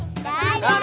yuk kita masuk ibu enel